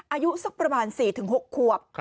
อายุสักประมาณ๔๖ขวบ